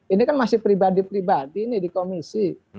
ini kan masih pribadi pribadi nih di komisi